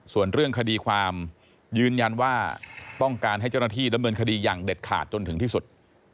ส่วนเรื่องคดีความยืนยันว่าต้องการให้เจ้าหน้าที่ดำเนินคดีอย่างเด็ดขาดจนถึงที่สุด